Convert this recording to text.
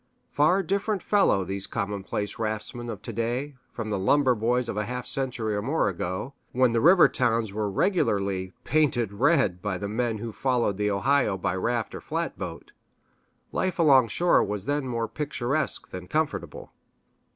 Far different fellows, these commonplace raftsmen of to day, from the "lumber boys" of a half century or more ago, when the river towns were regularly "painted red" by the men who followed the Ohio by raft or flatboat. Life along shore was then more picturesque than comfortable.